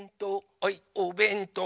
はいおべんとう！」